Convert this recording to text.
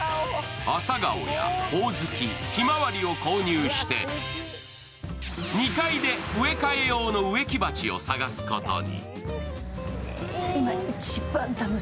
朝顔やほおずき、ひまわりを購入して２階で植え替え用の植木鉢を探すことに。